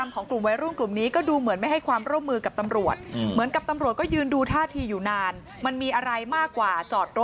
คนที่เข้าไปดูก็มี๒ฝั่งนะคะ